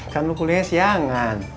kan lu kuliahnya siangan